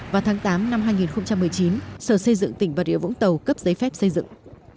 vào tháng tám năm hai nghìn một mươi chín sở xây dựng tỉnh bà rịa vũng tàu cấp giấy phép xây dựng